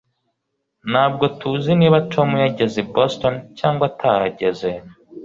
Ntabwo tuzi niba Tom yageze i Boston cyangwa atageze